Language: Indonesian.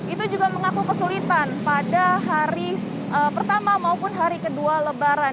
itu juga mengaku kesulitan pada hari pertama maupun hari kedua lebaran